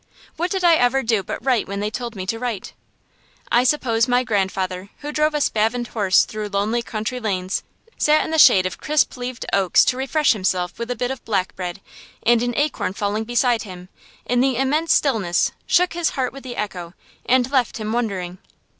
What did I ever do but write when they told me to write? I suppose my grandfather who drove a spavined horse through lonely country lanes sat in the shade of crisp leaved oaks to refresh himself with a bit of black bread; and an acorn falling beside him, in the immense stillness, shook his heart with the echo, and left him wondering.